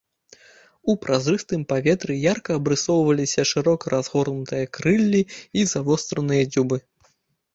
У празрыстым паветры ярка абрысоўваліся шырока разгорнутыя крыллі і завостраныя дзюбы.